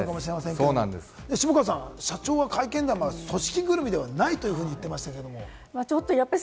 下川さん、社長の会見、組織ぐるみではないと言ってましたけれども。